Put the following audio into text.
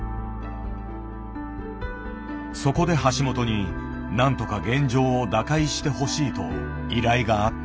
そこで橋本になんとか現状を打開してほしいと依頼があった。